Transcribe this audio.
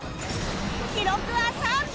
記録は３秒